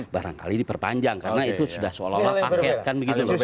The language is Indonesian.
barangkali diperpanjang karena itu sudah seolah olah paket kan begitu loh